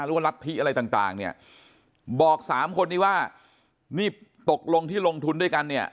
รัฐธิอะไรต่างเนี่ยบอกสามคนนี้ว่านี่ตกลงที่ลงทุนด้วยกันเนี่ย